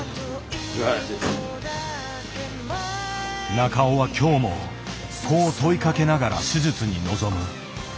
中尾は今日もこう問いかけながら手術に臨む。